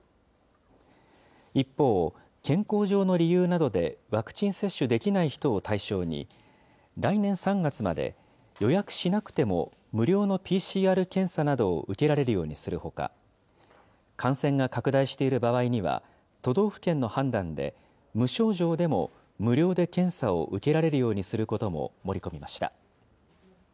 一方、健康上の理由などで、ワクチン接種できない人を対象に、来年３月まで、予約しなくても無料のＰＣＲ検査などを受けられるようにするほか、感染が拡大している場合には、都道府県の判断で、無症状でも無料で検査を受けられるようにすることも盛り込みました。